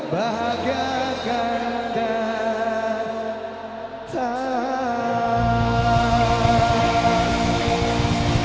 bahagia kan datang